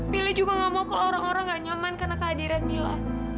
billy juga gak mau ke orang orang gak nyaman karena kehadiran mila